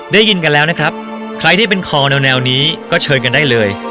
ได้ยินกันแล้วนะครับใครที่เป็นคอแนวนี้ก็เชิญกันได้เลย